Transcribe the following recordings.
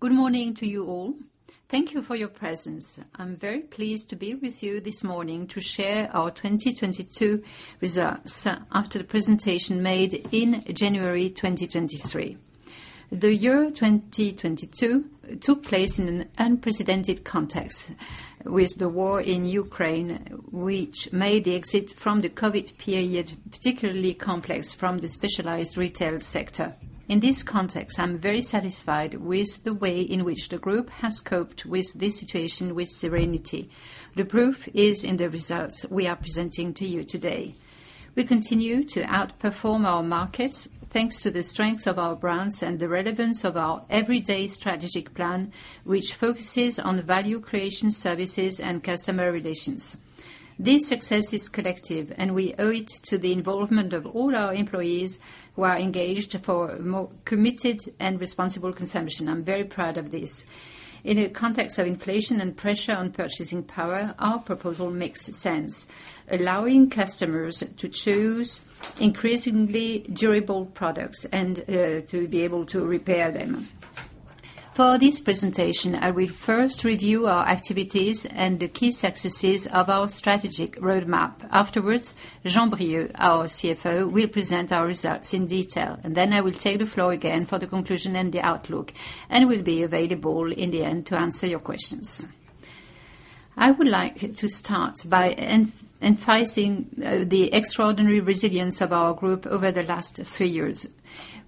Good morning to you all. Thank you for your presence. I'm very pleased to be with you this morning to share our 2022 results after the presentation made in January 2023. The year 2022 took place in an unprecedented context with the war in Ukraine, which made the exit from the COVID period particularly complex from the specialized retail sector. In this context, I'm very satisfied with the way in which the group has coped with this situation with serenity. The proof is in the results we are presenting to you today. We continue to outperform our markets, thanks to the strengths of our brands and the relevance of our Everyday strategic plan, which focuses on value creation services and customer relations. This success is collective, and we owe it to the involvement of all our employees who are engaged for more committed and responsible consumption. I'm very proud of this. In a context of inflation and pressure on purchasing power, our proposal makes sense, allowing customers to choose increasingly durable products and to be able to repair them. For this presentation, I will first review our activities and the key successes of our strategic roadmap. Afterwards, Jean-Brieuc, our CFO, will present our results in detail. I will take the floor again for the conclusion and the outlook, and will be available in the end to answer your questions. I would like to start by emphasizing the extraordinary resilience of our group over the last three years.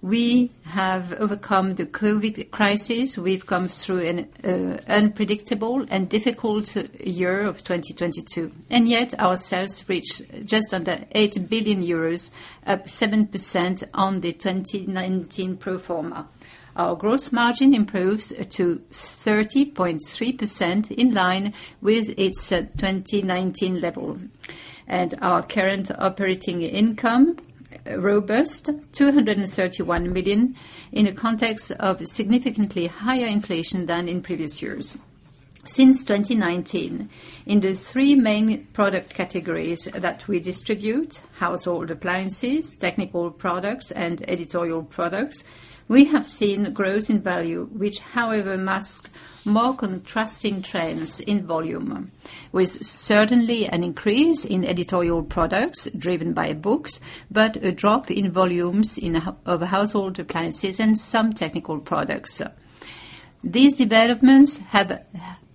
We have overcome the COVID crisis. We've come through an unpredictable and difficult year of 2022, and yet our sales reached just under 8 billion euros, up 7% on the 2019 pro forma. Our gross margin improves to 30.3% in line with its 2019 level. Our current operating income, robust 231 million in a context of significantly higher inflation than in previous years. Since 2019, in the three main product categories that we distribute, household appliances, technical products, and editorial products, we have seen growth in value, which however mask more contrasting trends in volume. With certainly an increase in editorial products driven by books, but a drop in volumes of household appliances and some technical products. These developments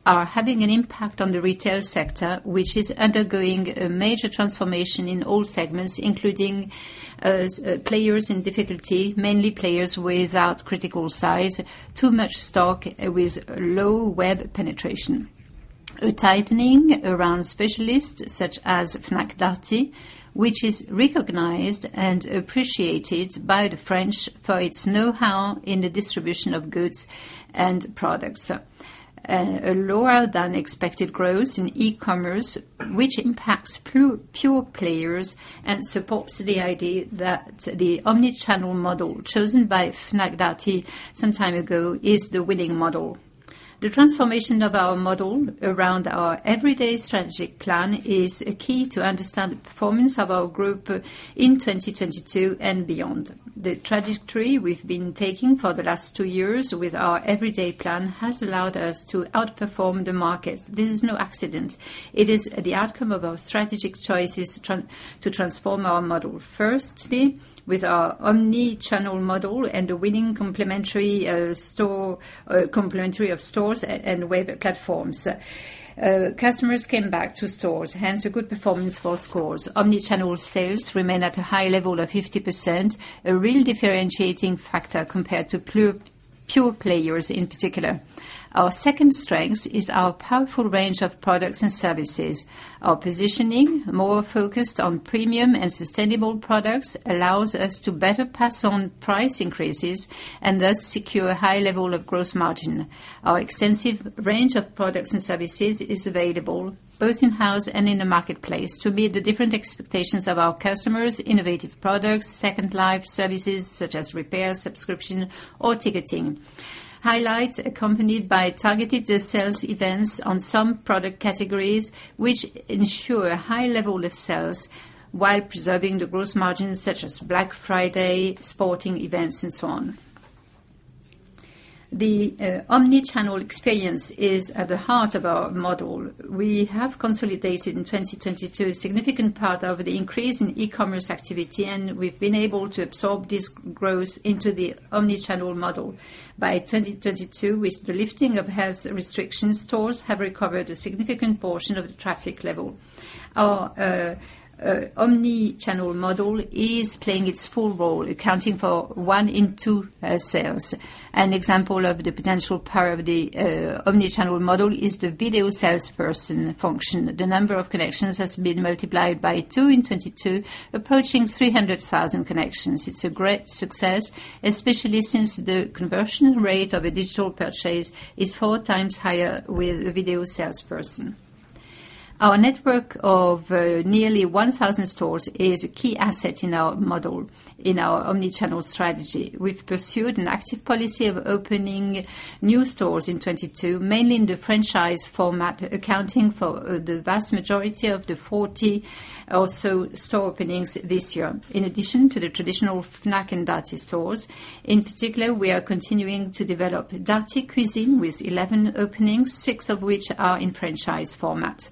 are having an impact on the retail sector, which is undergoing a major transformation in all segments, including players in difficulty, mainly players without critical size, too much stock with low web penetration. A tightening around specialists such as Fnac Darty, which is recognized and appreciated by the French for its know-how in the distribution of goods and products. A lower than expected growth in e-commerce, which impacts pure players and supports the idea that the omni-channel model chosen by Fnac Darty some time ago is the winning model. The transformation of our model around our Everyday strategic plan is key to understand the performance of our group in 2022 and beyond. The trajectory we've been taking for the last two years with our Everyday plan has allowed us to outperform the market. This is no accident. It is the outcome of our strategic choices to transform our model. Firstly, with our omni-channel model and the winning complementary of stores and web platforms. Customers came back to stores, hence a good performance for scores. Omni-channel sales remain at a high level of 50%, a real differentiating factor compared to pure players in particular. Our second strength is our powerful range of products and services. Our positioning, more focused on premium and sustainable products, allows us to better pass on price increases and thus secure high level of gross margin. Our extensive range of products and services is available both in-house and in the marketplace to meet the different expectations of our customers, innovative products, Second Life services such as repair, subscription, or ticketing. Highlights accompanied by targeted sales events on some product categories, which ensure high level of sales while preserving the gross margin such as Black Friday, sporting events and so on. The omni-channel experience is at the heart of our model. We have consolidated in 2022 a significant part of the increase in e-commerce activity, and we've been able to absorb this growth into the omni-channel model. By 2022, with the lifting of health restrictions, stores have recovered a significant portion of the traffic level. Our omnichannel model is playing its full role, accounting for one in two sales. An example of the potential power of the omni-channel model is the video salesperson function. The number of connections has been multiplied by two in 2022, approaching 300,000 connections. It's a great success, especially since the conversion rate of a digital purchase is four times higher with a video salesperson. Our network of nearly 1,000 stores is a key asset in our model, in our omni-channel strategy. We've pursued an active policy of opening new stores in 22, mainly in the franchise format, accounting for the vast majority of the 40 or so store openings this year. In addition to the traditional Fnac and Darty stores, in particular, we are continuing to develop Darty Cuisine with 11 openings, six of which are in franchise format.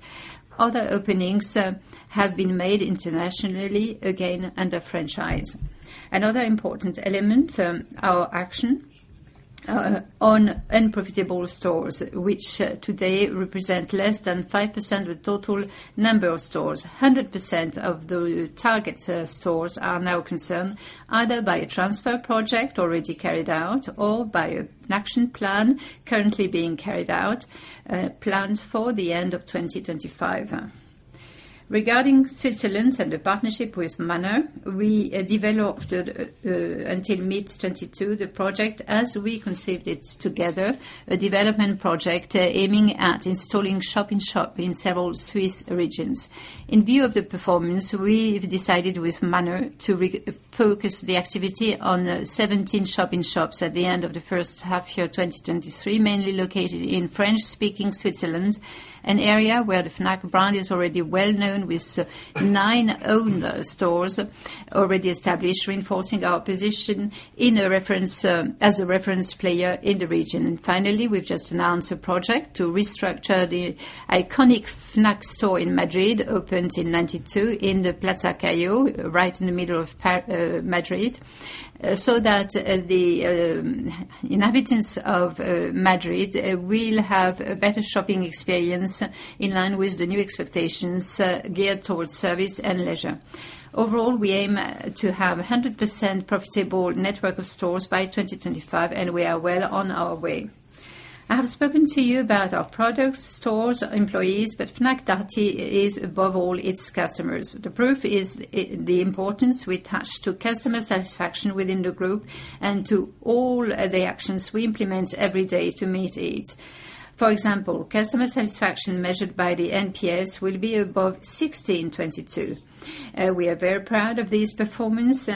Other openings have been made internationally, again, under franchise. Another important element, our action on unprofitable stores, which today represent less than 5% of the total number of stores. 100% of the target stores are now concerned either by a transfer project already carried out or by an action plan currently being carried out, planned for the end of 2025. Regarding Switzerland and the partnership with Manor, we developed until mid 2022 the project as we conceived it together, a development project aiming at installing shop-in-shop in several Swiss regions. In view of the performance, we've decided with Manor to re-focus the activity on 17 shop-in-shops at the end of the first half 2023, mainly located in French-speaking Switzerland, an area where the Fnac brand is already well-known with nine owner stores already established, reinforcing our position as a reference player in the region. Finally, we've just announced a project to restructure the iconic Fnac store in Madrid, opened in 1992 in the Plaza Callao right in the middle of Madrid, so that the inhabitants of Madrid will have a better shopping experience in line with the new expectations geared towards service and leisure. Overall, we aim to have 100% profitable network of stores by 2025. We are well on our way. I have spoken to you about our products, stores, employees. Fnac Darty is above all its customers. The proof is the importance we attach to customer satisfaction within the group and to all the actions we implement every day to meet it. For example, customer satisfaction measured by the NPS will be above 60 in 2022. We are very proud of this performance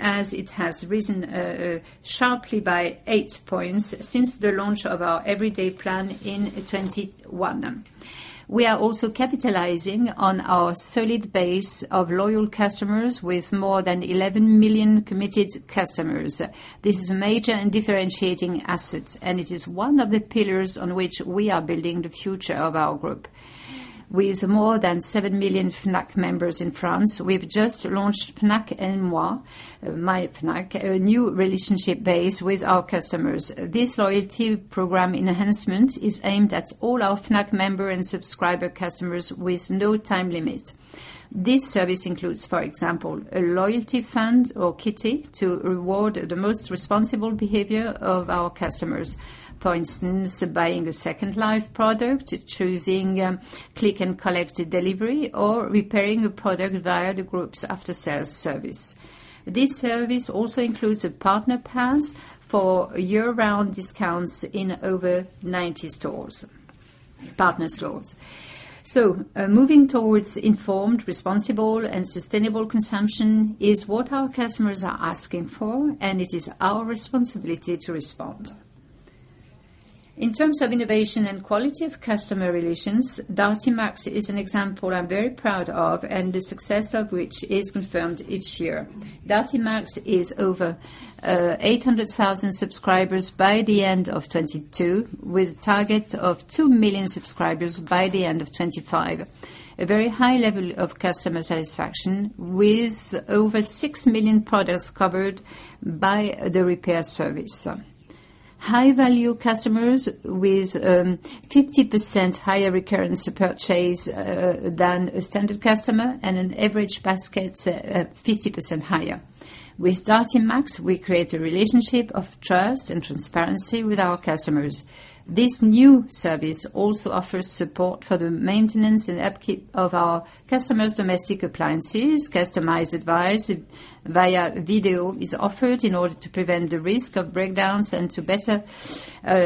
as it has risen sharply by eight points since the launch of our Everyday plan in 2021. We are also capitalizing on our solid base of loyal customers with more than 11 million committed customers. This is a major and differentiating asset. It is one of the pillars on which we are building the future of our group. With more than seven million Fnac members in France, we've just launched Fnac & Moi, My Fnac, a new relationship base with our customers. This loyalty program enhancement is aimed at all our Fnac member and subscriber customers with no time limit. This service includes, for example, a loyalty fund or kitty to reward the most responsible behavior of our customers, for instance, buying a Second Life product, choosing click and collect delivery, or repairing a product via the group's after-sales service. This service also includes a partner pass for year-round discounts in over 90 stores, partner stores. Moving towards informed, responsible and sustainable consumption is what our customers are asking for, and it is our responsibility to respond. In terms of innovation and quality of customer relations, Darty Max is an example I'm very proud of and the success of which is confirmed each year. Darty Max is over 800,000 subscribers by the end of 2022, with a target of two million subscribers by the end of 2025. A very high level of customer satisfaction with over six million products covered by the repair service. High-value customers with 50% higher recurrence purchase than a standard customer and an average basket at 50% higher. With Darty Max, we create a relationship of trust and transparency with our customers. This new service also offers support for the maintenance and upkeep of our customers' domestic appliances. Customized advice via video is offered in order to prevent the risk of breakdowns and to better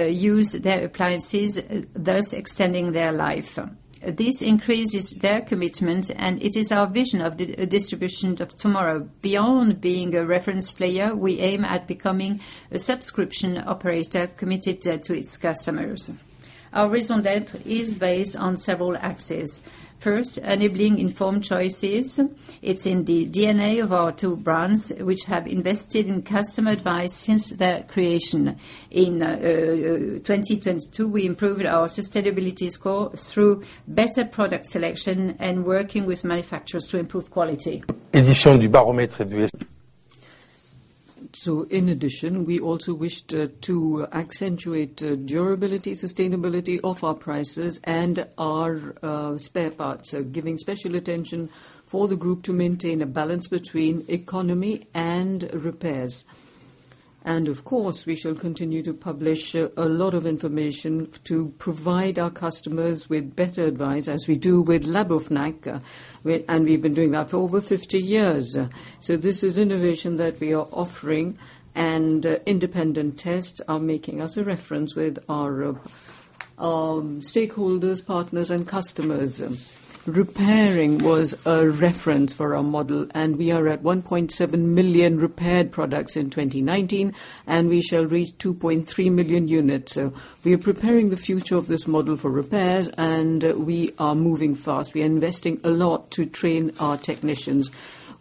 use their appliances, thus extending their life. This increases their commitment, and it is our vision of the distribution of tomorrow. Beyond being a reference player, we aim at becoming a subscription operator committed to its customers. Our raison d'être is based on several axes. First, enabling informed choices. It's in the DNA of our two brands, which have invested in customer advice since their creation. In 2022, we improved our sustainability score through better product selection and working with manufacturers to improve quality. In addition, we also wished to accentuate durability, sustainability of our prices and our spare parts, giving special attention for the group to maintain a balance between economy and repairs. Of course, we shall continue to publish a lot of information to provide our customers with better advice as we do with Labo Fnac, and we've been doing that for over 50 years. This is innovation that we are offering, and independent tests are making us a reference with our stakeholders, partners, and customers. Repairing was a reference for our model, and we are at one point seven million repaired products in 2019, and we shall reach two point three million units. We are preparing the future of this model for repairs, and we are moving fast. We are investing a lot to train our technicians.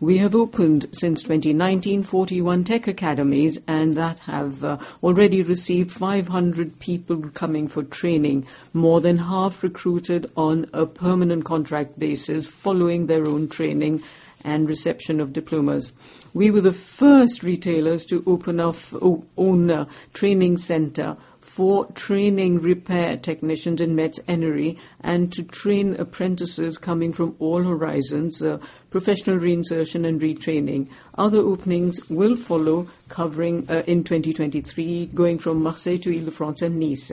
We have opened, since 2019, 41 tech academies, and that have already received 500 people coming for training. More than half recruited on a permanent contract basis following their own training and reception of diplomas. We were the first retailers to open up own a training center for training repair technicians in Metz, Hennebont, and to train apprentices coming from all horizons, professional reinsertion and retraining. Other openings will follow covering, in 2023, going from Marseille to Île-de-France and Nice.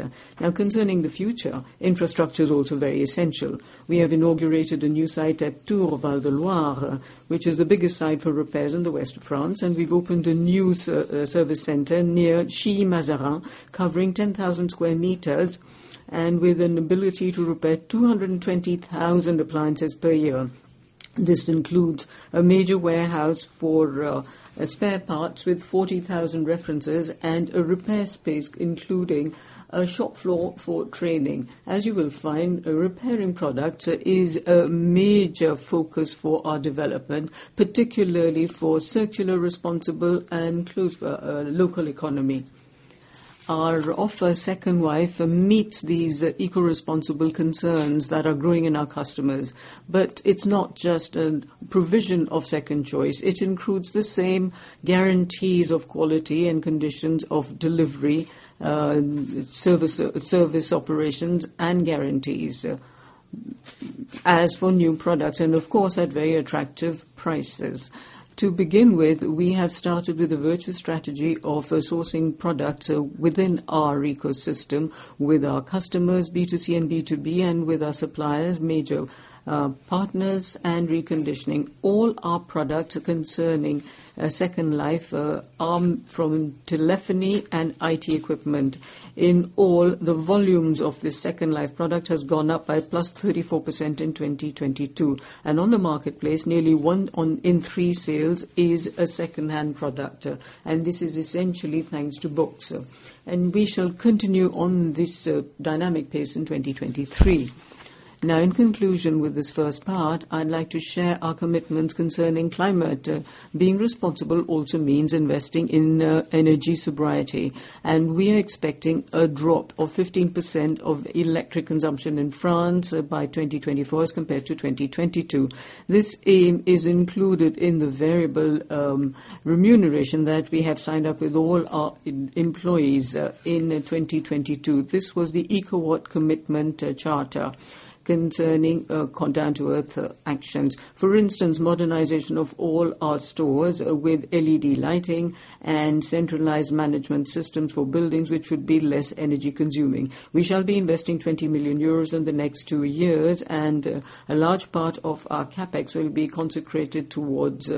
Concerning the future, infrastructure is also very essential. We have inaugurated a new site at Tours Val de Loire, which is the biggest site for repairs in the West of France, and we've opened a new service center near Chilly-Mazarin, covering 10,000 square meters and with an ability to repair 220,000 appliances per year. This includes a major warehouse for spare parts with 40,000 references and a repair space, including a shop floor for training. As you will find, repairing product is a major focus for our development, particularly for circular, responsible, and local economy. Our offer, Second Life, meets these eco-responsible concerns that are growing in our customers. It's not just a provision of second choice. It includes the same guarantees of quality and conditions of delivery, service operations, and guarantees as for new products and, of course, at very attractive prices. To begin with, we have started with a virtual strategy of sourcing products within our ecosystem with our customers, B2C and B2B, and with our suppliers, major partners and reconditioning. All our products concerning Second Life from telephony and IT equipment. In all, the volumes of this Second Life product has gone up by +34% in 2022. On the marketplace, nearly one in three sales is a second-hand product, and this is essentially thanks to Box. We shall continue on this dynamic pace in 2023. Now in conclusion with this first part, I'd like to share our commitments concerning climate. Being responsible also means investing in energy sobriety, and we are expecting a drop of 15% of electric consumption in France by 2024 as compared to 2022. This aim is included in the variable remuneration that we have signed up with all our employees in 2022. This was the EcoWatt commitment charter concerning down to earth actions. For instance, modernization of all our stores with LED lighting and centralized management systems for buildings which would be less energy consuming. We shall be investing 20 million euros in the next two years and a large part of our CapEx will be consecrated towards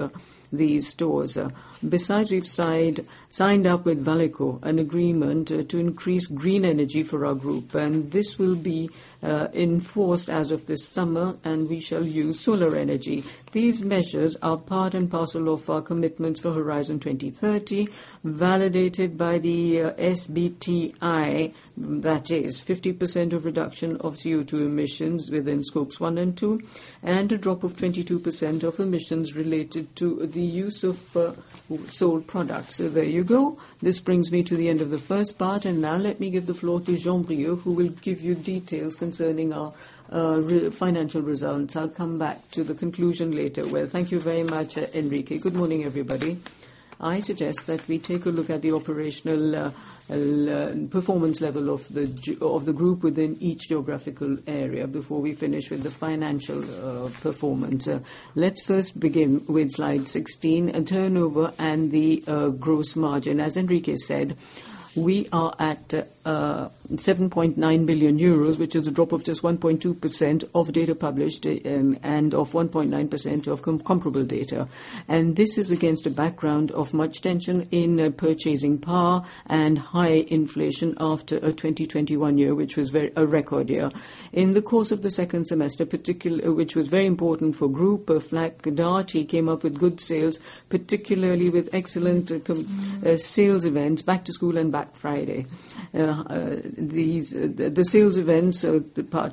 these stores. Besides, we've signed up with Valeco an agreement to increase green energy for our group, and this will be enforced as of this summer, and we shall use solar energy. These measures are part and parcel of our commitments for Horizon 2030, validated by the SBTi, that is 50% of reduction of CO2 emissions within Scope one and Scope two, and a drop of 22% of emissions related to the use of sold products. There you go. This brings me to the end of the first part. Now let me give the floor to Jean-Brieuc, who will give you details concerning our financial results. I'll come back to the conclusion later. Well, thank you very much, Enrique. Good morning, everybody. I suggest that we take a look at the operational performance level of the group within each geographical area before we finish with the financial performance. Let's first begin with slide 16, a turnover and the gross margin. As Enrique said, we are at 7.9 billion euros, which is a drop of just 1.2% of data published and of 1.9% of comparable data. This is against a background of much tension in purchasing power and high inflation after a 2021 year, which was a record year. In the course of the second semester, which was very important for group, Fnac Darty came up with good sales, particularly with excellent sales events, Back to School and Black Friday. The sales events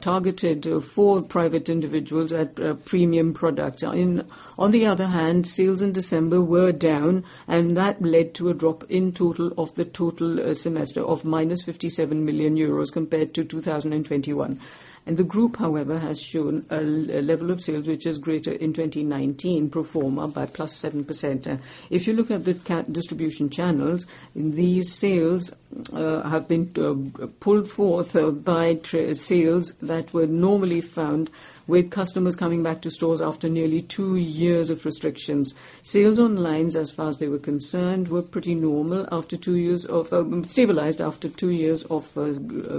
targeted for private individuals at premium products. On the other hand, sales in December were down, and that led to a drop in total of the total semester of minus 57 million euros compared to 2021. The group, however, has shown a level of sales which is greater in 2019 pro forma by +7%. If you look at the distribution channels, these sales have been pulled forth by sales that were normally found with customers coming back to stores after nearly two years of restrictions. Sales online, as far as they were concerned, were pretty normal, stabilized after two years of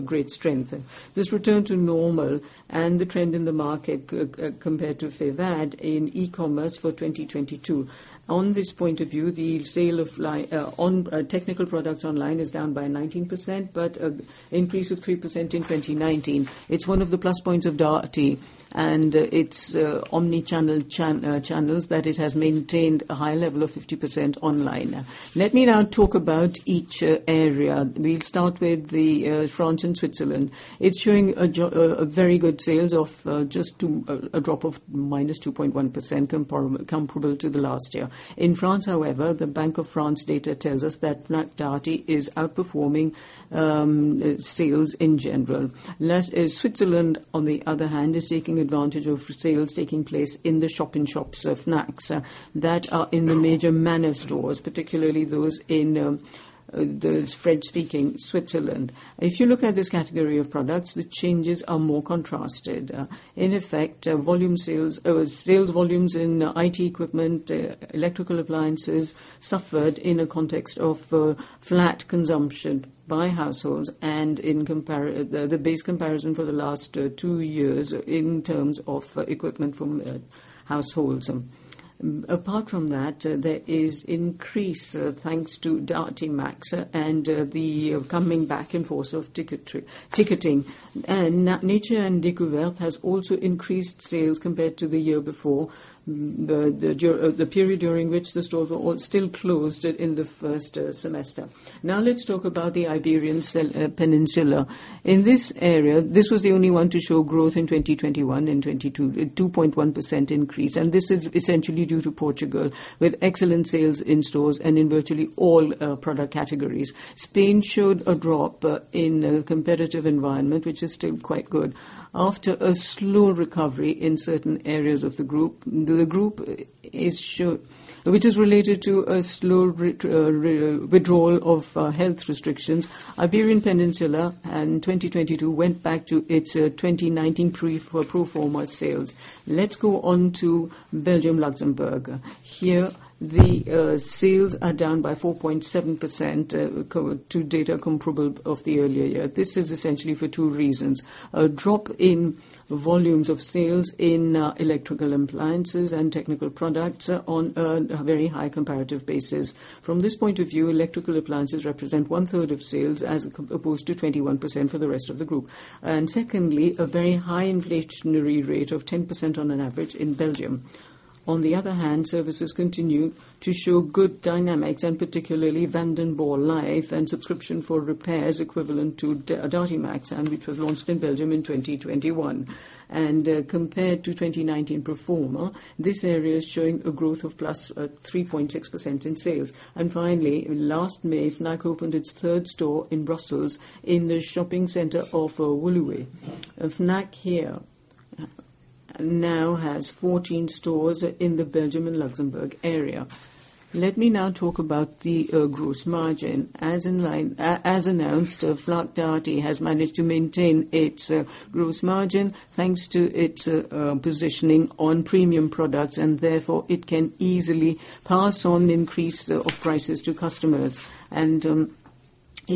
great strength. This returned to normal and the trend in the market compared to FEVAD in e-commerce for 2022. On this point of view, the sale of technical products online is down by 19%, but increase of 3% in 2019. It's one of the plus points of Darty and its omni-channel channels that it has maintained a high level of 50% online. Let me now talk about each area. We'll start with the France and Switzerland. It's showing a drop of -2.1% comparable to the last year. In France, the Bank of France data tells us that Fnac Darty is outperforming sales in general. Switzerland is taking advantage of sales taking place in the shop-in-shops of Fnacs that are in the major Manor stores, particularly those in the French-speaking Switzerland. If you look at this category of products, the changes are more contrasted. Volume sales or sales volumes in IT equipment, electrical appliances suffered in a context of flat consumption by households and in the base comparison for the last two years in terms of equipment from households. There is increase thanks to Darty Max and the coming back in force of ticketing. Nature & Découvertes has also increased sales compared to the year before, the period during which the stores were all still closed in the first semester. Let's talk about the Iberian Peninsula. In this area, this was the only one to show growth in 2021 and 2022, a 2.1% increase, and this is essentially due to Portugal, with excellent sales in stores and in virtually all product categories. Spain showed a drop in a competitive environment, which is still quite good. After a slow recovery in certain areas of the group, which is related to a slow withdrawal of health restrictions. Iberian Peninsula in 2022 went back to its 2019 pro forma sales. Let's go on to Belgium, Luxembourg. Here, the sales are down by 4.7%, co-to data comparable of the earlier year. This is essentially for two reasons: A drop in volumes of sales in electrical appliances and technical products on a very high comparative basis. From this point of view, electrical appliances represent one-third of sales as opposed to 21% for the rest of the group. Secondly, a very high inflationary rate of 10% on an average in Belgium. On the other hand, services continue to show good dynamics, particularly Vanden Borre Life and subscription for repairs equivalent to Darty Max and which was launched in Belgium in 2021. Compared to 2019 pro forma, this area is showing a growth of +3.6% in sales. Finally, last May, Fnac opened its third store in Brussels in the shopping center of Woluwe. Fnac here now has 14 stores in the Belgium and Luxembourg area. Let me now talk about the gross margin. As announced, Fnac Darty has managed to maintain its gross margin thanks to its positioning on premium products, and therefore it can easily pass on increase of prices to customers. It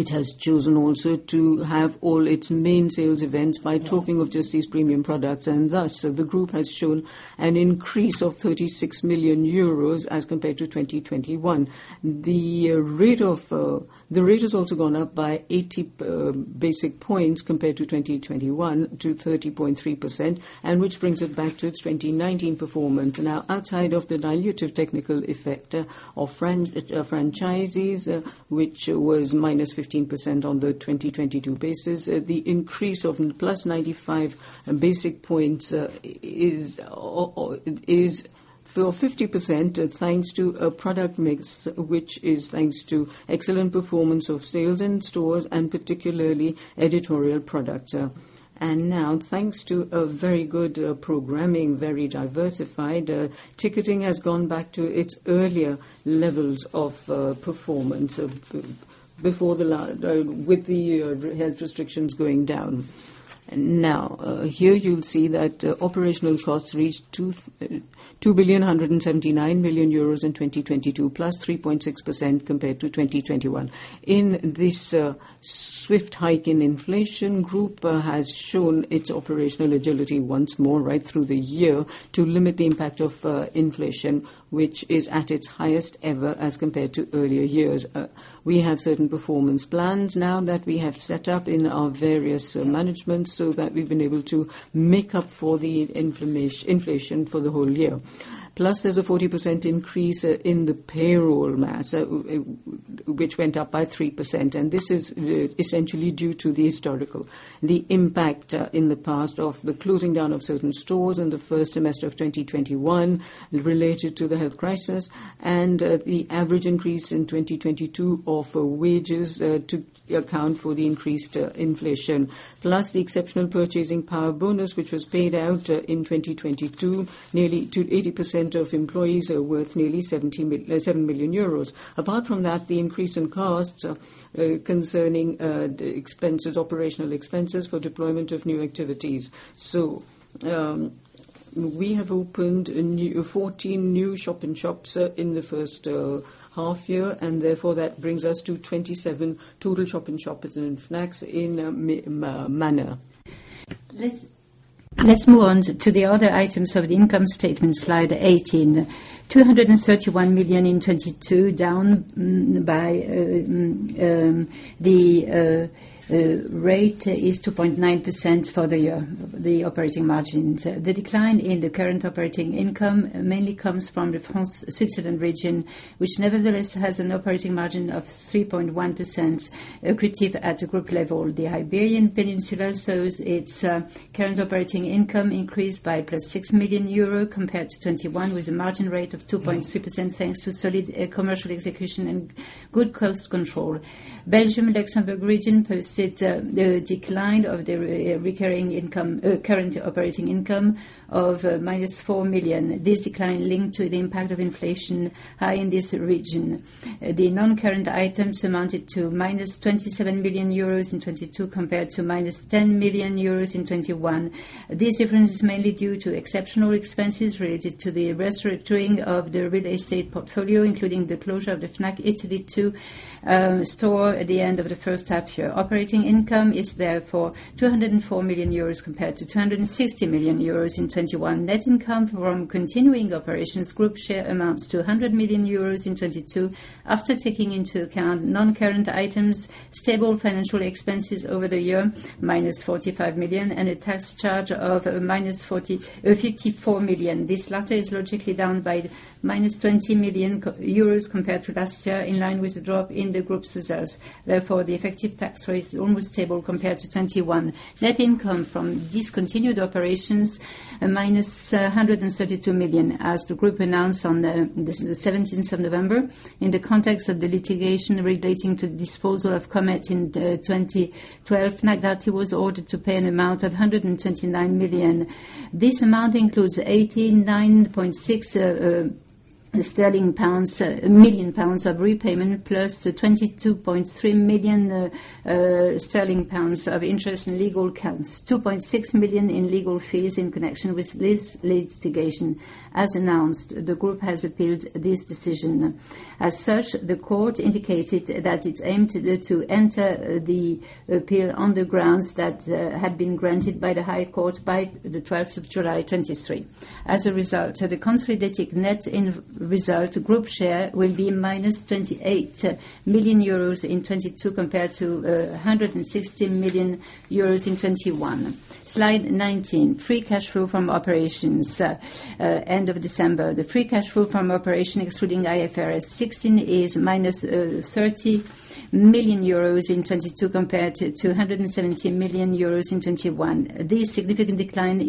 has chosen also to have all its main sales events by talking of just these premium products. Thus, the group has shown an increase of 36 million euros as compared to 2021. The rate has also gone up by 80 basic points compared to 2021 to 30.3%, which brings it back to its 2019 performance. Now, outside of the dilutive technical effect of franchises, which was -15% on the 2022 basis, the increase of +95 basis points is for 50% thanks to a product mix, which is thanks to excellent performance of sales in stores and particularly editorial products. Now, thanks to a very good programming, very diversified ticketing has gone back to its earlier levels of performance of before the with the health restrictions going down. Now, here you'll see that operational costs reached 2,179 million euros in 2022, +3.6% compared to 2021. In this swift hike in inflation, group has shown its operational agility once more right through the year to limit the impact of inflation, which is at its highest ever as compared to earlier years. We have certain performance plans now that we have set up in our various managements, so that we've been able to make up for the inflation for the whole year. There's a 40% increase in the payroll mass, which went up by 3%, this is essentially due to the historical impact in the past of the closing down of certain stores in the first semester of 2021 related to the health crisis, the average increase in 2022 of wages to account for the increased inflation. The exceptional purchasing power bonus, which was paid out in 2022, nearly to 80% of employees, worth nearly 7 million euros. Apart from that, the increase in costs, concerning the expenses, operational expenses for deployment of new activities. We have opened 14 new shop-in-shops in the 1st half year, that brings us to 27 total shop-in-shops in Fnac in Manor. Let's move on to the other items of the income statement, slide 18. 231 million in 2022, down by the rate is 2.9% for the year, the operating margin. The decline in the current operating income mainly comes from the France, Switzerland region, which nevertheless has an operating margin of 3.1% accretive at the group level. The Iberian Peninsula shows its current operating income increased by +6 million euro compared to 2021, with a margin rate of 2.3%, thanks to solid commercial execution and good cost control. Belgium and Luxembourg region posted the decline of the re-recurring income, current operating income of -4 million. This decline linked to the impact of inflation in this region. The non-current items amounted to -27 million euros in 2022, compared to -10 million euros in 2021. This difference is mainly due to exceptional expenses related to the restructuring of the real estate portfolio, including the closure of the Fnac Italy two store at the end of the first half year. Operating income is 204 million euros compared to 260 million euros in 2021. Net income from continuing operations group share amounts to 100 million euros in 2022. After taking into account non-current items, stable financial expenses over the year, -45 million, and a tax charge of -54 million. This latter is logically down by -20 million euros compared to last year, in line with the drop in the group's results. The effective tax rate is almost stable compared to 2021. Net income from discontinued operations, minus 132 million. As the group announced on the seventeenth of November, in the context of the litigation relating to the disposal of Comet in 2012, Fnac Darty was ordered to pay an amount of 129 million. This amount includes 89.6 million sterling of repayment plus 22.3 million sterling of interest in legal claims. 2.6 million in legal fees in connection with litigation. As announced, the group has appealed this decision. As such, the court indicated that it aimed to enter the appeal on the grounds that had been granted by the High Court by the July 12th, 2023. As a result, the consolidated net in result group share will be minus 28 million euros in 2022 compared to 160 million euros in 2021. Slide 19. Free cash flow from operations, end of December. The free cash flow from operation excluding IFRS 16 is minus 30 million euros in 2022 compared to 170 million euros in 2021. This significant decline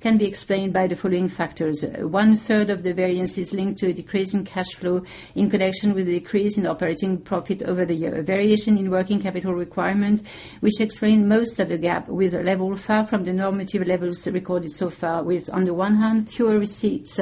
can be explained by the following factors. One third of the variance is linked to a decrease in cash flow in connection with the increase in operating profit over the year. A variation in working capital requirement, which explain most of the gap with a level far from the normative levels recorded so far. On the one hand, fewer receipts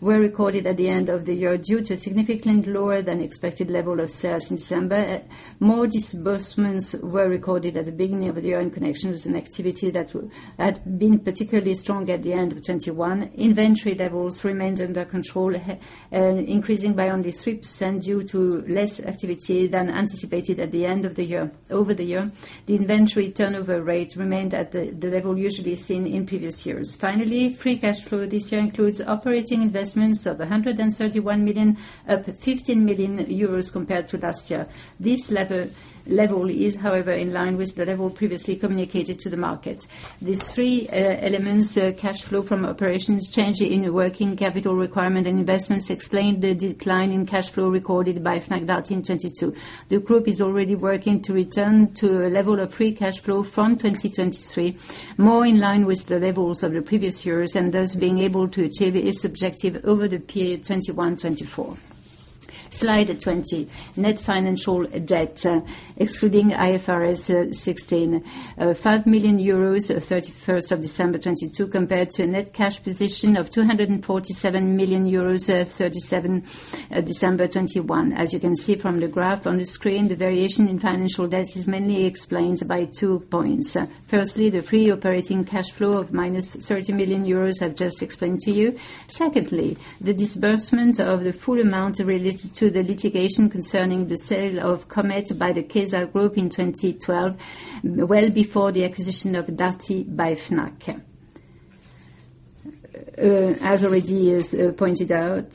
were recorded at the end of the year due to significantly lower than expected level of sales in December. More disbursements were recorded at the beginning of the year in connection with an activity that had been particularly strong at the end of 2021. Inventory levels remained under control, increasing by only 3% due to less activity than anticipated at the end of the year. Over the year, the inventory turnover rate remained at the level usually seen in previous years. Finally, free cash flow this year includes operating investments of 131 million, up 15 million euros compared to last year. This level is, however, in line with the level previously communicated to the market. These three elements, cash flow from operations, change in working capital requirement, and investments, explain the decline in cash flow recorded by Fnac Darty in 2022. The group is already working to return to a level of free cash flow from 2023, more in line with the levels of the previous years, and thus being able to achieve its objective over the period 2021-2024. Slide 20. Net financial debt, excluding IFRS 16. 5 million euros, December 31st, 2022, compared to a net cash position of 247 million euros December 31st, 2021. As you can see from the graph on the screen, the variation in financial debt is mainly explained by two points. Firstly, the free operating cash flow of minus 30 million euros, I've just explained to you. Secondly, the disbursement of the full amount related to the litigation concerning the sale of Comet by the Kaiser Group in 2012, well before the acquisition of Darty by Fnac. As already is pointed out,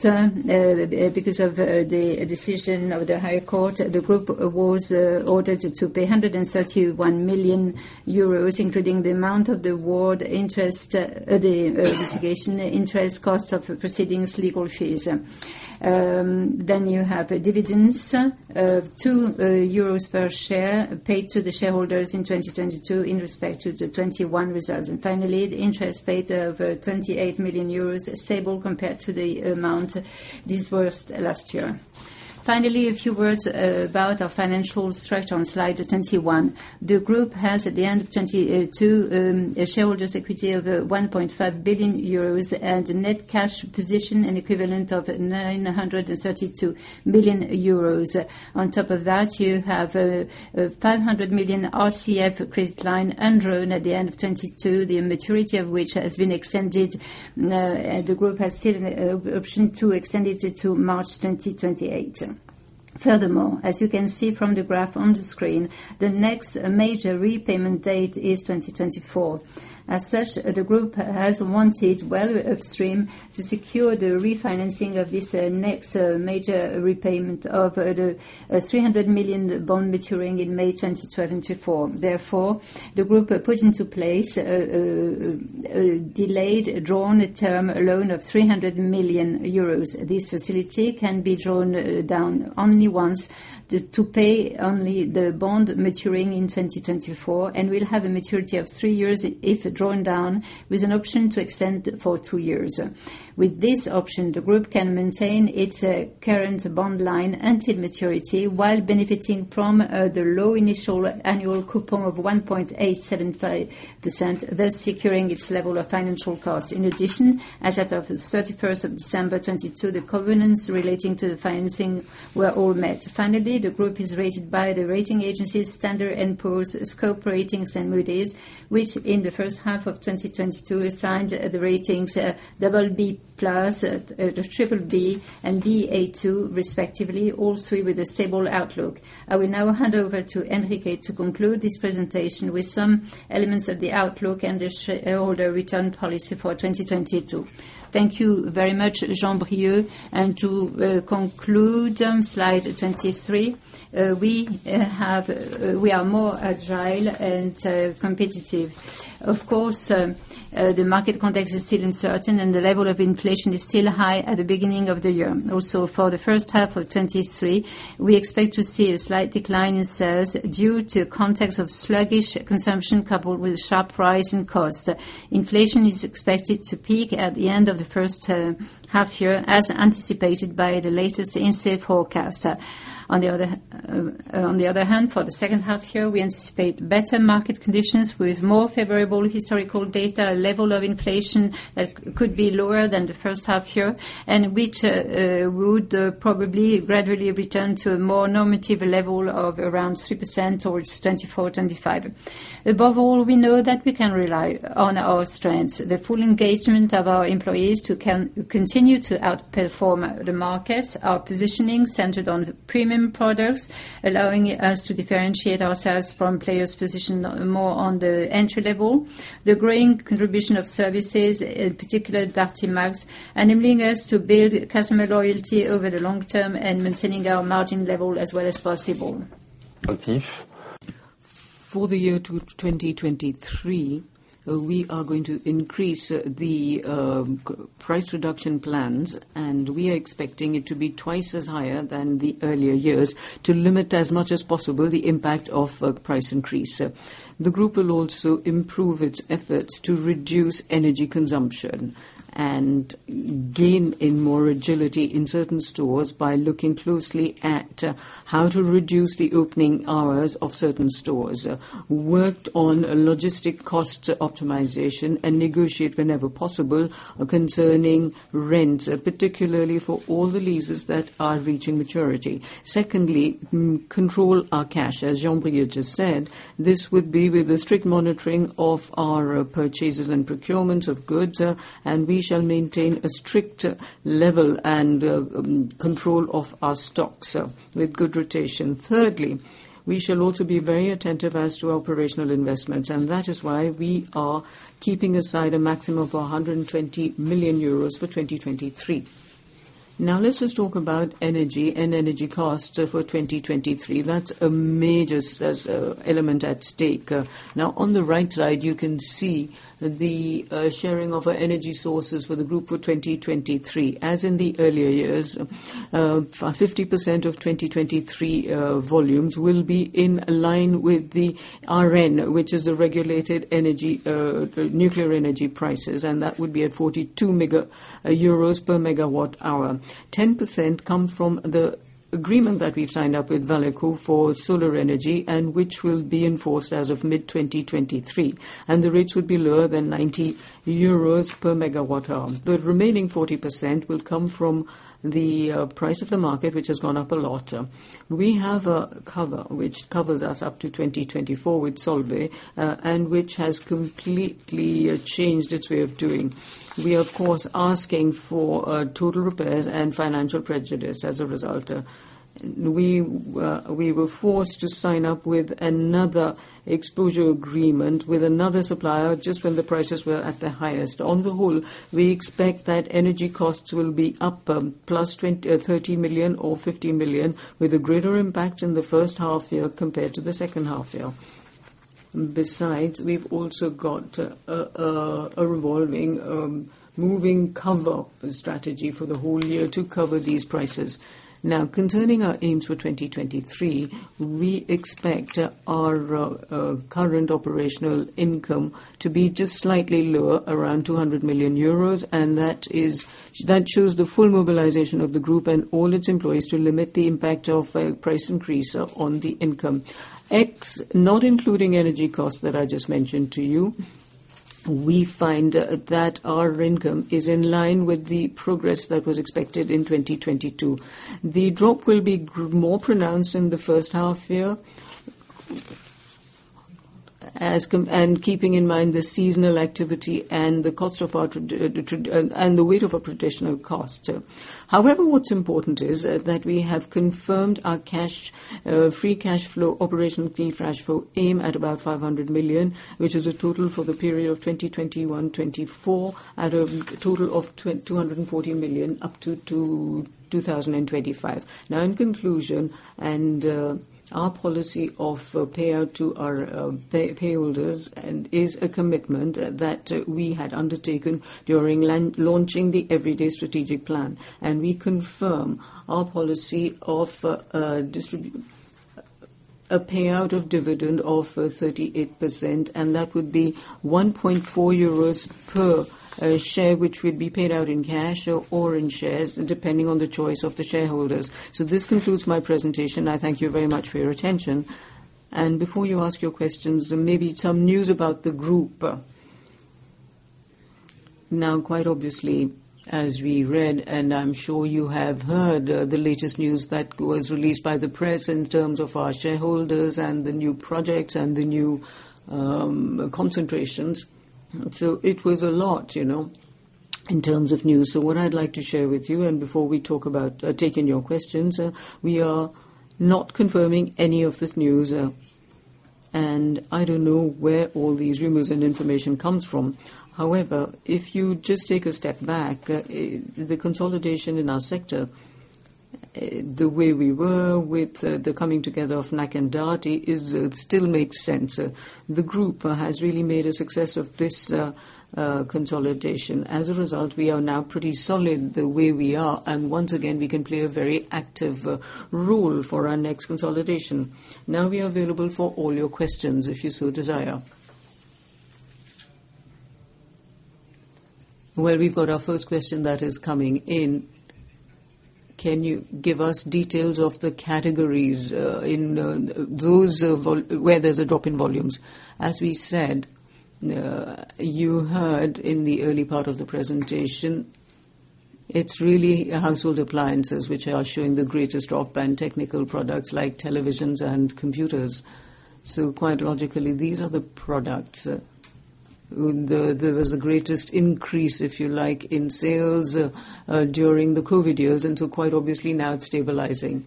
because of the decision of the High Court, the group was ordered to pay 131 million euros, including the amount of the award interest, the litigation interest, cost of proceedings, legal fees. You have dividends of euros per share paid to the shareholders in 2022 in respect to the 2021 results. Finally, the interest paid of 28 million euros, stable compared to the amount disbursed last year. Finally, a few words about our financial strength on slide 21. The group has, at the end of 2022, a shareholders equity of 1.5 billion euros and a net cash position in equivalent of 932 million euros. You have 500 million RCF credit line undrawn at the end of 2022, the maturity of which has been extended. The group has still an option to extend it to March 2028. As you can see from the graph on the screen, the next major repayment date is 2024. The group has wanted well upstream to secure the refinancing of this next major repayment of the 300 million bond maturing in May 2024. The group have put into place a delayed draw term loan of 300 million euros. This facility can be drawn down only once to pay only the bond maturing in 2024, and will have a maturity of three years if drawn down, with an option to extend for two years. With this option, the group can maintain its current bond line until maturity while benefiting from the low initial annual coupon of 1.875%, thus securing its level of financial cost. As at of the December 31st, 2022, the covenants relating to the financing were all met. The group is rated by the rating agencies Standard & Poor's, Scope Ratings, and Moody's, which in the first half of 2022 assigned the ratings BB+, BBB, and Ba2 respectively, all three with a stable outlook. I will now hand over to Enrique to conclude this presentation with some elements of the outlook and the shareholder return policy for 2022. Thank you very much, Jean-Brieuc. To conclude, slide 23, we are more agile and competitive. Of course, the market context is still uncertain, and the level of inflation is still high at the beginning of the year. Also, for the first half of 2023, we expect to see a slight decline in sales due to context of sluggish consumption coupled with sharp rise in cost. Inflation is expected to peak at the end of the first half year, as anticipated by the latest INSEE forecast. On the other hand, for the second half year, we anticipate better market conditions with more favorable historical data, a level of inflation that could be lower than the first half year. Which would probably gradually return to a more normative level of around 3% towards 2024, 2025. Above all, we know that we can rely on our strengths, the full engagement of our employees to continue to outperform the markets, our positioning centered on premium products, allowing us to differentiate ourselves from players positioned more on the entry level. The growing contribution of services, in particular Darty Max, enabling us to build customer loyalty over the long term and maintaining our margin level as well as possible. For the year to 2023, we are going to increase the price reduction plans, and we are expecting it to be twice as higher than the earlier years to limit as much as possible the impact of price increase. The group will also improve its efforts to reduce energy consumption and gain in more agility in certain stores by looking closely at how to reduce the opening hours of certain stores. Worked on logistic cost optimization and negotiate whenever possible concerning rents, particularly for all the leases that are reaching maturity. Secondly, control our cash. As Jean-Brieuc just said, this would be with a strict monitoring of our purchases and procurement of goods, and we shall maintain a strict level and control of our stocks with good rotation. Thirdly, we shall also be very attentive as to operational investments. That is why we are keeping aside a maximum of 120 million euros for 2023. Now, let us talk about energy and energy cost for 2023. That's a major element at stake. Now, on the right side, you can see the sharing of our energy sources for the group for 2023. As in the earlier years, 50% of 2023 volumes will be in line with the ARENH, which is the regulated energy, nuclear energy prices, and that would be at 42 euros per MW hour. 10% come from the agreement that we've signed up with Valeco for solar energy and which will be enforced as of mid-2023, and the rates would be lower than 90 euros per MW hour. The remaining 40% will come from the price of the market, which has gone up a lot. We have a cover which covers us up to 2024 with Solvay, and which has completely changed its way of doing. We are, of course, asking for total repairs and financial prejudice as a result. We were forced to sign up with another exposure agreement with another supplier just when the prices were at their highest. On the whole, we expect that energy costs will be up +20 million, 30 million or 50 million, with a greater impact in the first half year compared to the second half year. Besides, we've also got a revolving moving cover strategy for the whole year to cover these prices. Concerning our aims for 2023, we expect our current operational income to be just slightly lower, around 200 million euros. That shows the full mobilization of the Group and all its employees to limit the impact of a price increase on the income. Not including energy costs that I just mentioned to you, we find that our income is in line with the progress that was expected in 2022. The drop will be more pronounced in the first half year, and keeping in mind the seasonal activity and the weight of a traditional cost. However, what's important is that we have confirmed our cash, free cash flow, operational free cash flow aim at about 500 million, which is a total for the period of 2021, 2024, at a total of 240 million up to 2025. In conclusion, our policy of payout to our pay holders is a commitment that we had undertaken during launching the Everyday strategic plan. We confirm our policy of a payout of dividend of 38%, and that would be 1.4 euros per share, which would be paid out in cash or in shares, depending on the choice of the shareholders. This concludes my presentation. I thank you very much for your attention. Before you ask your questions, maybe some news about the group. Quite obviously, as we read, and I'm sure you have heard the latest news that was released by the press in terms of our shareholders and the new projects and the new concentrations. It was a lot, you know, in terms of news. What I'd like to share with you, and before we talk about taking your questions, we are not confirming any of this news. I don't know where all these rumors and information comes from. However, if you just take a step back, the consolidation in our sector, the way we were with the coming together of Fnac and Darty is, still makes sense. The group has really made a success of this consolidation. We are now pretty solid the way we are, and once again, we can play a very active role for our next consolidation. We are available for all your questions if you so desire. We've got our first question that is coming in. Can you give us details of the categories in those where there's a drop in volumes? As we said, you heard in the early part of the presentation, it's really household appliances which are showing the greatest drop and technical products like televisions and computers. Quite logically, these are the products, there was the greatest increase, if you like, in sales during the COVID years, quite obviously now it's stabilizing.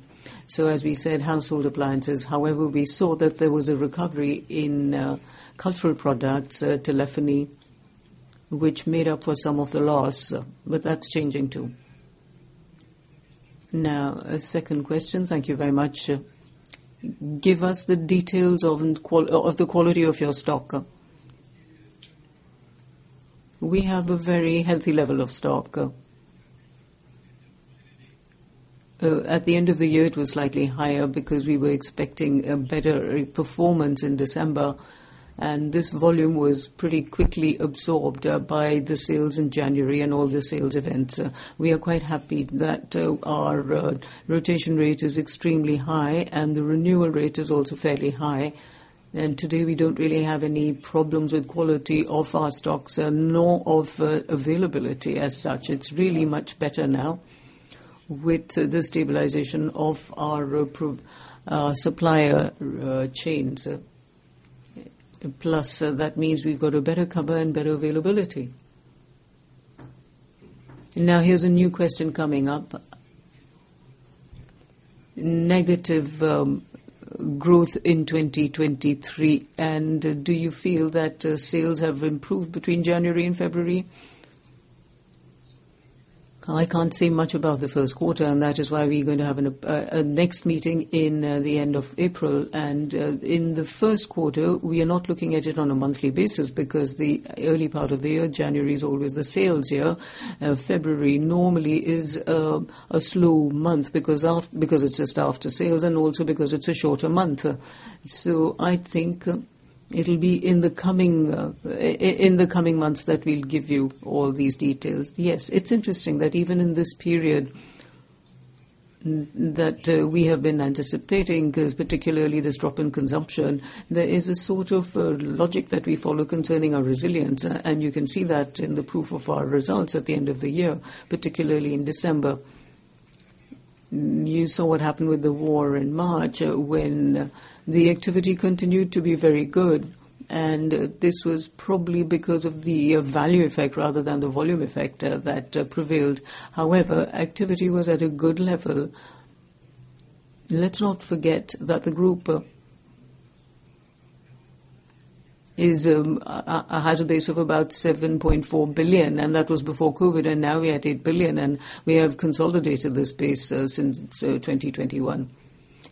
As we said, household appliances. We saw that there was a recovery in cultural products, telephony, which made up for some of the loss, but that's changing too. Now, a second question. Thank you very much. Give us the details of the quality of your stock. We have a very healthy level of stock. At the end of the year it was slightly higher because we were expecting a better performance in December, and this volume was pretty quickly absorbed by the sales in January and all the sales events. We are quite happy that our rotation rate is extremely high and the renewal rate is also fairly high. Today we don't really have any problems with quality of our stocks and nor of availability as such. It's really much better now with the stabilization of our approved supplier chains. Plus, that means we've got a better cover and better availability. Now here's a new question coming up. Negative growth in 2023. Do you feel that sales have improved between January and February? I can't say much about the first quarter. That is why we're going to have a next meeting in the end of April. In the first quarter, we are not looking at it on a monthly basis because the early part of the year, January is always the sales year. February normally is a slow month because it's just after sales and also because it's a shorter month. I think it'll be in the coming months that we'll give you all these details. Yes, it's interesting that even in this period that we have been anticipating, particularly this drop in consumption, there is a sort of logic that we follow concerning our resilience, and you can see that in the proof of our results at the end of the year, particularly in December. You saw what happened with the war in March when the activity continued to be very good. This was probably because of the value effect rather than the volume effect that prevailed. However, activity was at a good level. Let's not forget that the group has a base of about 7.4 billion, and that was before COVID, and now we're at 8 billion, and we have consolidated this base since 2021.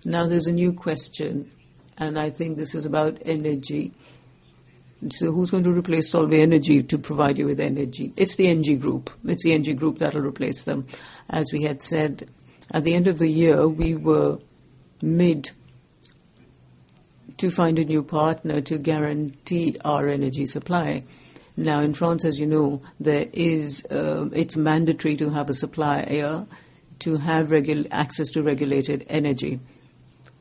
Now there's a new question, and I think this is about energy. Who's going to replace Solvay Energy to provide you with energy? It's the ENGIE group. It's the ENGIE group that will replace them. As we had said at the end of the year, we were made to find a new partner to guarantee our energy supply. In France, as you know, it's mandatory to have a supplier to have access to regulated energy.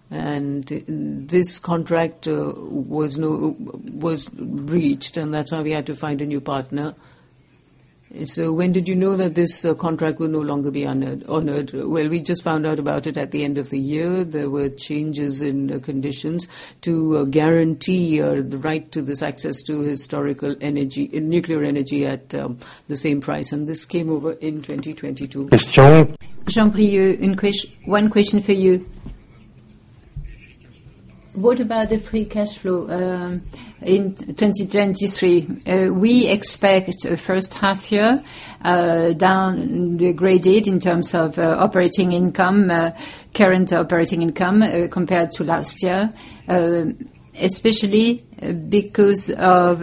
This contract was breached, and that's why we had to find a new partner. When did you know that this contract would no longer be honored? Well, we just found out about it at the end of the year. There were changes in conditions to guarantee the right to this access to historical energy, in nuclear energy at the same price. This came over in 2022. Jean. Jean-Brieuc, one question for you. What about the free cash flow in 2023? We expect first half-year downgraded in terms of operating income, current operating income, compared to last year, especially because of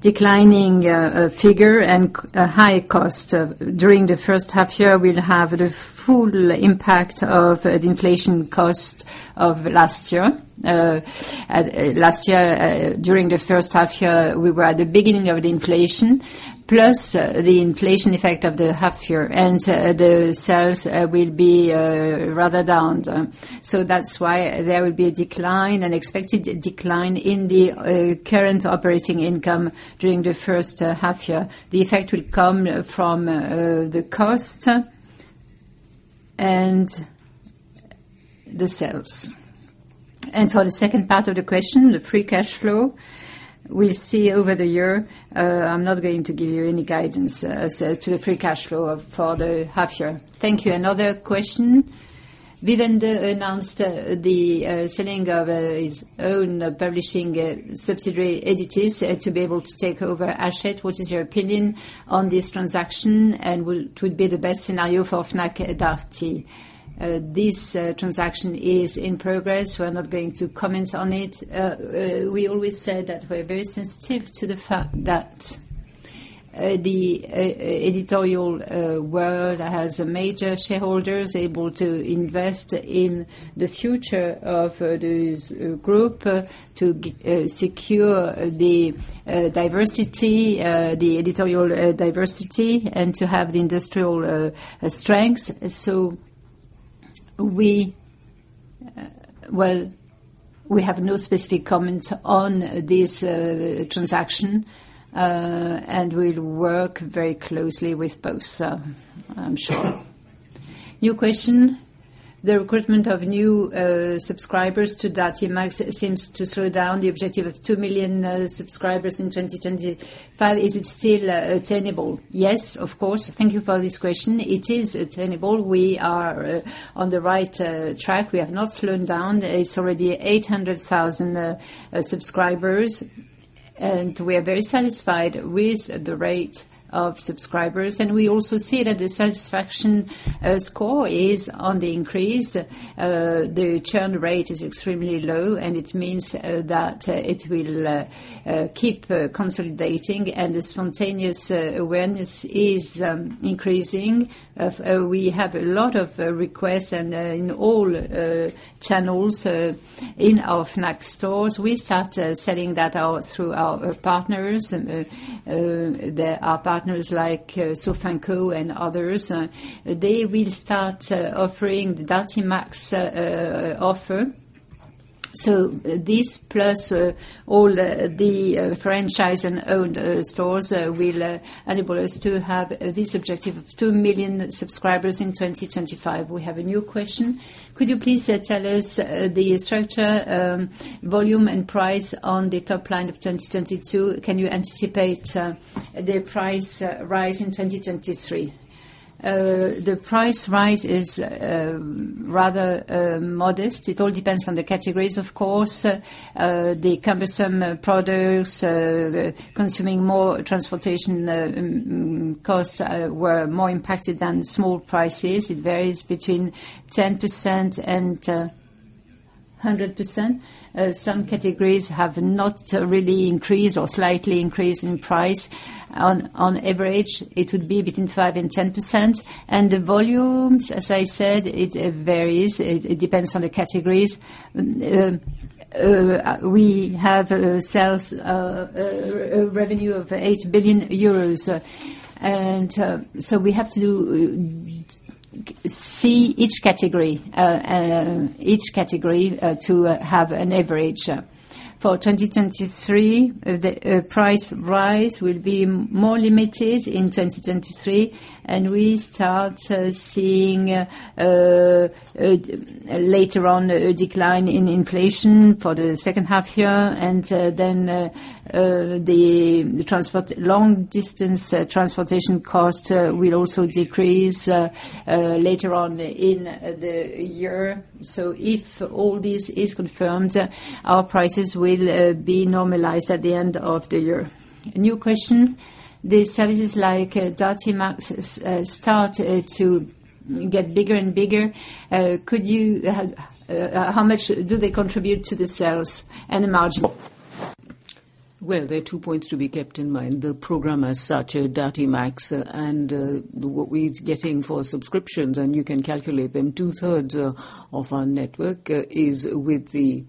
declining figure and high cost. During the first half-year, we'll have the full impact of the inflation cost of last year. Last year, during the first half-year, we were at the beginning of the inflation, plus the inflation effect of the half-year, and the sales will be rather down. That's why there will be a decline, an expected decline in the current operating income during the first half-year. The effect will come from the cost and the sales. For the second part of the question, the free cash flow, we'll see over the year. I'm not going to give you any guidance as to the free cash flow for the half year. Thank you. Another question. Vivendi announced the selling of its own publishing subsidiary, Editis, to be able to take over Hachette. What is your opinion on this transaction? What would be the best scenario for Fnac Darty? This transaction is in progress. We're not going to comment on it. We always said that we're very sensitive to the fact that the editorial world has major shareholders able to invest in the future of this group to secure the diversity, the editorial diversity, and to have the industrial strength. Well, we have no specific comment on this transaction, and we'll work very closely with both, I'm sure. New question. The recruitment of new subscribers to Darty Max seems to slow down the objective of two million subscribers in 2025. Is it still attainable? Yes, of course. Thank you for this question. It is attainable. We are on the right track. We have not slowed down. It's alreadtwo 800,000 subscribers. We are very satisfied with the rate of subscribers, and we also see that the satisfaction score is on the increase. The churn rate is extremely low, and it means that it will keep consolidating, and the spontaneous awareness is increasing. We have a lot of requests and in all channels in our Fnac stores. We start selling that out through our partners and our partners like Sofinco and others. They will start offering the Darty Max offer. This plus all the franchise and owned stores will enable us to have this objective of two million subscribers in 2025. We have a new question. Could you please tell us the structure, volume and price on the top line of 2022? Can you anticipate the price rise in 2023? The price rise is rather modest. It all depends on the categories, of course. The cumbersome products consuming more transportation costs were more impacted than the small prices. It varies between 10% and 100%. Some categories have not really increased or slightly increased in price. On average, it would be between 5% and 10%. The volumes, as I said, it varies. It depends on the categories. We have sales revenue of EUR 8 billion. We have to see each category to have an average. For 2023, the price rise will be more limited in 2023, we start seeing later on a decline in inflation for the second half year. Then the long-distance transportation costs will also decrease later on in the year. If all this is confirmed, our prices will be normalized at the end of the year. A new question. The services like Darty Max start to get bigger and bigger. How much do they contribute to the sales and the margin? Well, there are two points to be kept in mind. The program as such, Darty Max, and what we're getting for subscriptions, and you can calculate them. Two-thirds of our network is with the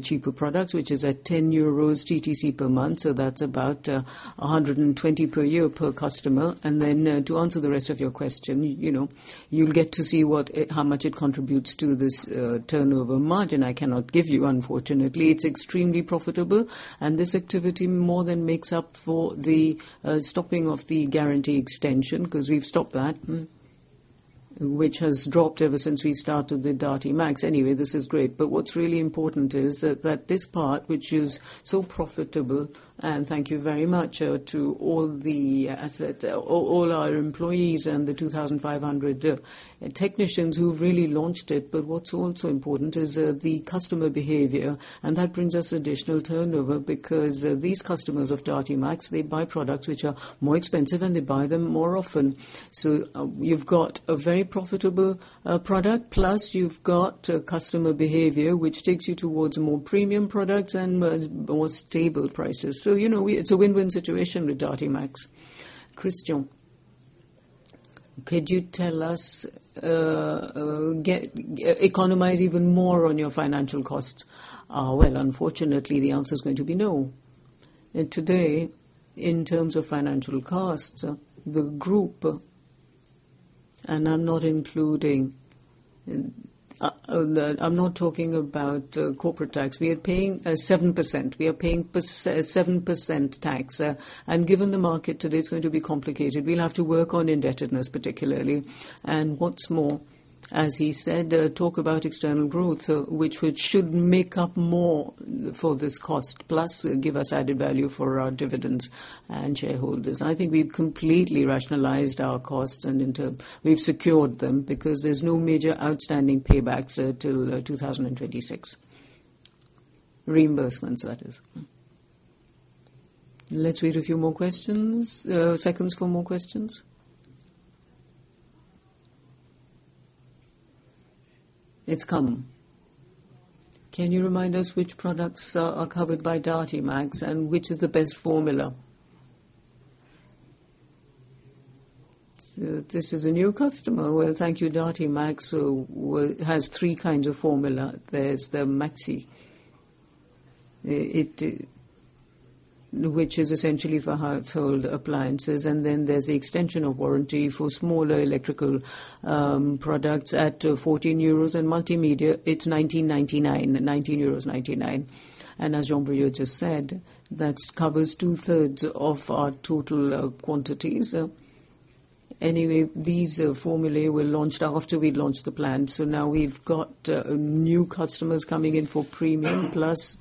cheaper products, which is at 10 euros TTC per month, so that's about 120 per year per customer. Then, to answer the rest of your question, you know, you'll get to see how much it contributes to this turnover margin. I cannot give you, unfortunately. It's extremely profitable. This activity more than makes up for the stopping of the guarantee extension, 'cause we've stopped that, which has dropped ever since we started the Darty Max. This is great. what's really important is that, this part, which is so profitable, and thank you very much to all our employees and the 2,500 technicians who've really launched it. what's also important is the customer behavior, and that brings us additional turnover because these customers of Darty Max, they buy products which are more expensive, and they buy them more often. you've got a very profitable product. Plus you've got customer behavior, which takes you towards more premium products and more, more stable prices. you know, It's a win-win situation with Darty Max. Christian, could you tell us economize even more on your financial costs? Well, unfortunately, the answer is going to be no. today, in terms of financial costs, the group, and I'm not including the... I'm not talking about corporate tax. We are paying 7%. We are paying 7% tax. Given the market today, it's going to be complicated. We'll have to work on indebtedness particularly. What's more, as he said, talk about external growth, which should make up more for this cost, plus give us added value for our dividends and shareholders. I think we've completely rationalized our costs and we've secured them because there's no major outstanding paybacks till 2026. Reimbursements, that is. Let's read a few more questions. Seconds for more questions. It's come. Can you remind us which products are covered by Darty Max, and which is the best formula? This is a new customer. Well, thank you. Darty Max has three kinds of formula. There's the Maxi. It... which is essentially for household appliances. There's the extension of warranty for smaller electrical products at 14 euros and multimedia, it's 19.99 euros, 19.99. As Jean-Brieuc just said, that covers 2/3 of our total quantities. Anyway, these formulae were launched after we launched the plan. Now we've got new customers coming in for premium, plus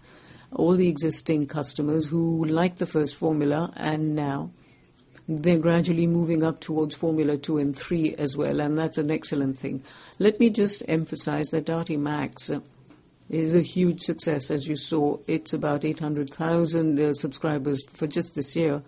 all the existing customers who like the first formula and now They're gradually moving up towards Formula two and three as well, and that's an excellent thing. Let me just emphasize that Darty Max is a huge success. As you saw, it's about 800,000 subscribers for just this year.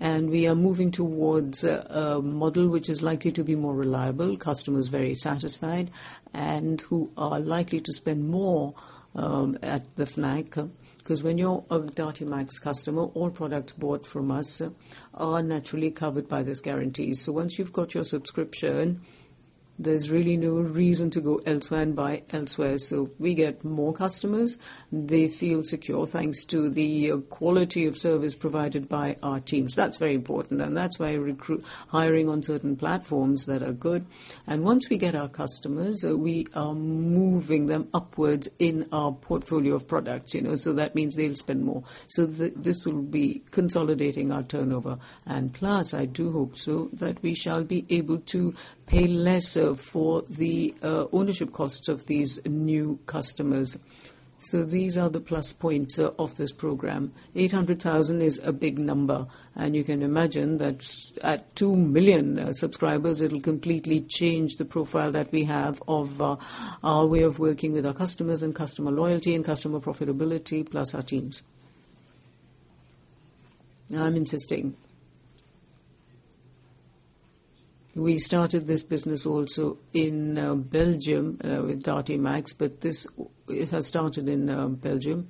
We are moving towards a model which is likely to be more reliable, customers very satisfied, and who are likely to spend more at the Fnac, because when you're a Darty Max customer, all products bought from us are naturally covered by this guarantee. Once you've got your subscription, there's really no reason to go elsewhere and buy elsewhere. We get more customers. They feel secure thanks to the quality of service provided by our teams. That's very important, and that's why hiring on certain platforms that are good. Once we get our customers, we are moving them upwards in our portfolio of products, you know. That means they'll spend more. This will be consolidating our turnover. Plus, I do hope so, that we shall be able to pay less for the ownership costs of these new customers. These are the plus points of this program. 800,000 is a big number, and you can imagine that at two million subscribers, it'll completely change the profile that we have of our way of working with our customers and customer loyalty and customer profitability, plus our teams. I'm insisting. We started this business also in Belgium with Darty Max, but it has started in Belgium,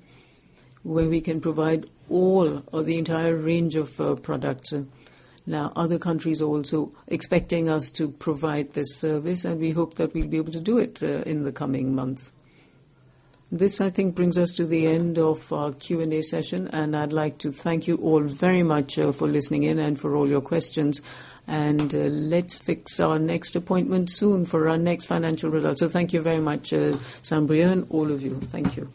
where we can provide all of the entire range of products. Other countries are also expecting us to provide this service, and we hope that we'll be able to do it in the coming months. This, I think, brings us to the end of our Q&A session, and I'd like to thank you all very much for listening in and for all your questions. Let's fix our next appointment soon for our next financial results. Thank you very much, Jean-Brieuc, all of you. Thank you.